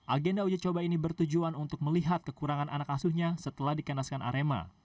agenda uji coba ini bertujuan untuk melihat kekurangan anak asuhnya setelah dikendaskan arema